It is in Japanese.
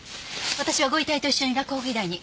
私はご遺体と一緒に洛北医大に。